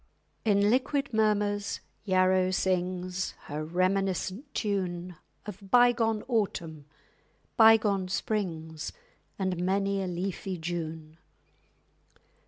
In liquid murmurs Yarrow sings Her reminiscent tune Of bygone Autumn, bygone Springs, _And many a leafy June.